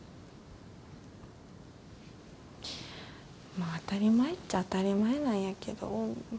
まあ当たり前っちゃ当たり前なんやけど。